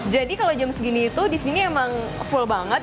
jadi kalau jam segini itu di sini emang full banget